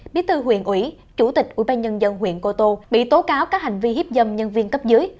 bí thư huyện ủy chủ tịch ủy ban nhân dân huyện cô tô bị tố cáo các hành vi hiếp dâm nhân viên cấp dưới